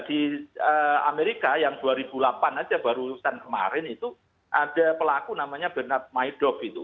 di amerika yang dua ribu delapan aja barusan kemarin itu ada pelaku namanya bernard maidop itu